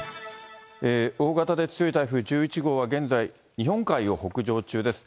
大型で強い台風１１号は、現在、日本海を北上中です。